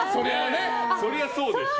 そりゃ、そうでしょ。